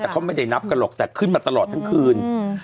แต่เขาไม่ได้นับกันหรอกแต่ขึ้นมาตลอดทั้งคืน